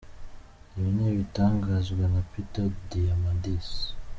Ibi ni ibitangazwa na Peter Diamandis.